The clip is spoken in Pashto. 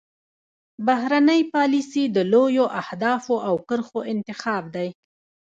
بهرنۍ پالیسي د لویو اهدافو او کرښو انتخاب دی